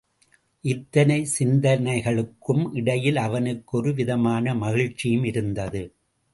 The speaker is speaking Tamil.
இத்தனை சிந்தனைகளுக்கும் இடையில் அவனுக்கு ஒரு விதமான மகிழ்ச்சியும் இருந்தது.